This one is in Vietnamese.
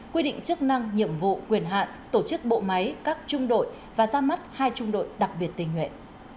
quy định chức năng nhiệm vụ quyền hạn tổ chức bộ máy các trung đội và ra mắt hai trung đội đặc biệt tình nguyện